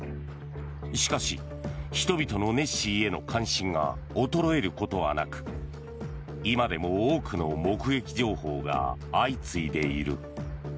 しかし人々のネッシーへの関心が衰えることはなく今でも多くの目撃情報が相次いでいる。